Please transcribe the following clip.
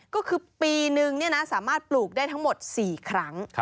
ก็คือปีนึงสามารถปลูกได้ทั้งหมด๔ครั้ง